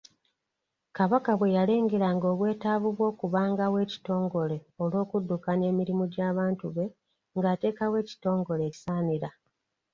Kabaka bwe yalengeranga obwetaavu bw’okubangawo ekitongole olw’okuddukanya emirimu gy’abantu be ng’ateekawo ekitongole ekisaanira.